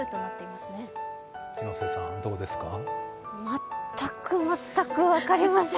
全く全く分かりません。